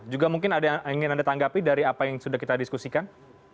juga mungkin ada yang ingin anda tanggapi dari apa yang sudah kita diskusikan